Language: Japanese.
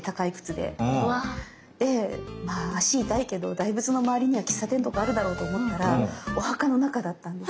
でまあ足痛いけど大仏の周りには喫茶店とかあるだろうと思ったらお墓の中だったんです。